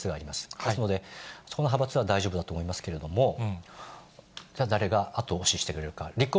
ですので、そこの派閥は大丈夫だと思いますけれども、じゃあ、誰が後押ししてくれるか。